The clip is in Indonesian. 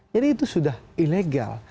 jadi itu sudah ilegal